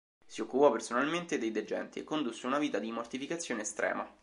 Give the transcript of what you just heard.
Si occupò personalmente dei degenti e condusse una vita di mortificazione estrema.